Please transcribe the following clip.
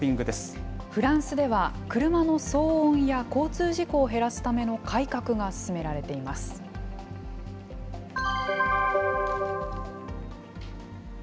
フランスでは、車の騒音や交通事故を減らすための改革が進められています。